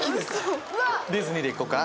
ディズニーでいこうか。